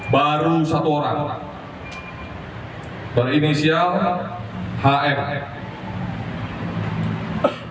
baru satu orang berinisial hf